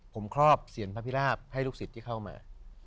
ผมครอบเสียนพระพิราบให้ลูกศิษย์ที่เข้ามา